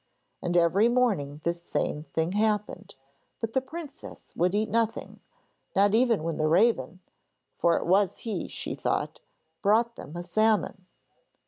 And every morning this same thing happened, but the princess would eat nothing, not even when the raven for it was he, she thought brought them a salmon.